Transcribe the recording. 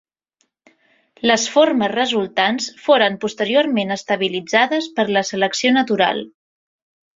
Les formes resultants foren posteriorment estabilitzades per la selecció natural.